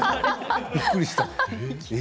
びっくりした。